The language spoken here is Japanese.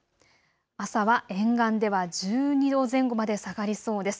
朝は沿岸では１２度前後まで下がりそうです。